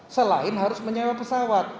selain harus menyewa pesawat